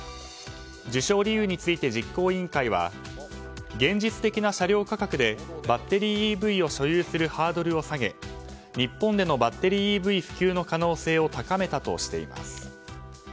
受賞理由について、実行委員会は現実的な車両価格でバッテリーＥＶを所有するハードルを下げ、日本でのバッテリーＥＶ普及の可能性を高めたとしています。